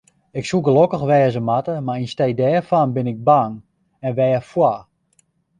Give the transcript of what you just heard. Ik soe gelokkich wêze moatte, mar yn stee dêrfan bin ik bang, en wêrfoar?